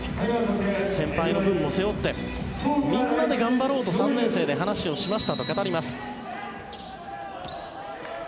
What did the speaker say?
先輩の分も背負ってみんなで頑張ろうと３年生で話をしましたと語ります。